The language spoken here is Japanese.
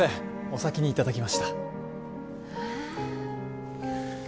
お先にいただきましたえっ？